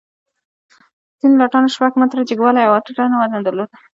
ځینو لټانو شپږ متره جګوالی او اته ټنه وزن درلود.